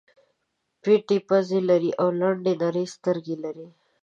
پېتې پزې لري او لنډې نرۍ سترګې لري.